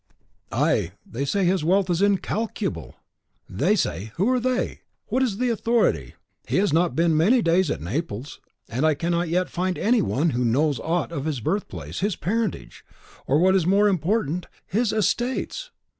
"Ay; they say his wealth is incalculable!" "THEY say, who are THEY? what is the authority? He has not been many days at Naples, and I cannot yet find any one who knows aught of his birthplace, his parentage, or, what is more important, his estates!"